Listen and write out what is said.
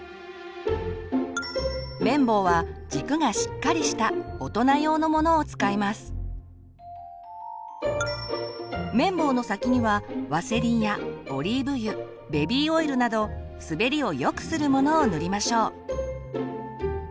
綿棒は軸がしっかりした綿棒の先にはワセリンやオリーブ油ベビーオイルなど滑りをよくするものを塗りましょう。